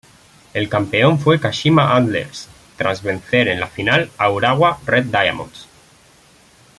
El campeón fue Kashima Antlers, tras vencer en la final a Urawa Red Diamonds.